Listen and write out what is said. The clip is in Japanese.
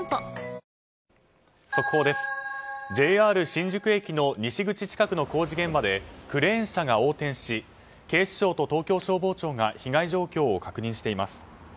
ＪＲ新宿駅の西口近くの工事現場でクレーン車が横転し警視庁と東京消防庁が被害状況を確認しています。